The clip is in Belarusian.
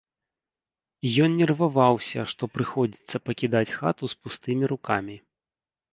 Ён нерваваўся, што прыходзіцца пакідаць хату з пустымі рукамі.